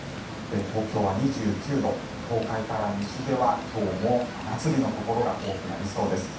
東京は２９度東海から西では今日も真夏日のところが多くなります。